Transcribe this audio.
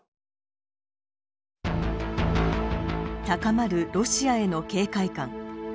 高まるロシアへの警戒感。